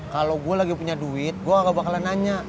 kalau gue lagi punya duit gue gak bakalan nanya